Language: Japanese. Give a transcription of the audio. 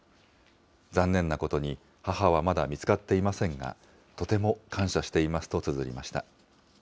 残念なことに、母はまだ見つかっていませんが、とても感謝していますとつづりました。